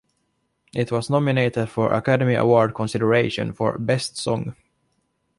It was nominated for Academy Award consideration for "Best Song".